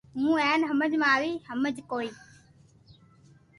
ھو ھين ھمج آئي گئي ھي ھين ھمج ڪوئي